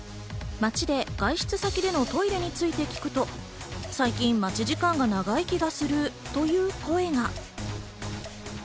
街で外出先でのトイレについて聞くと、最近、待ち時間が長い気がするという声が。